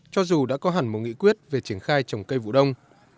cho dù đã có hẳn một nghị quyết về triển khai trồng cây vụ đông